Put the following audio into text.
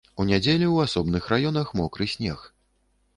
У нядзелю ў асобных раёнах мокры снег.